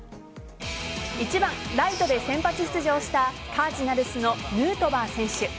１番・ライトで先発出場したカージナルスのヌートバー選手。